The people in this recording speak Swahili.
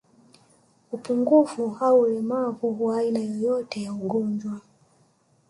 Upungufu au ulemavu wa aina yoyote ya ugonjwa